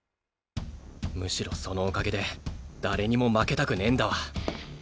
むしろそのおかげで誰にも負けたくねぇんだわ。